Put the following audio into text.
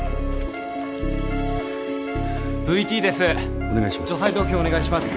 ＶＴです！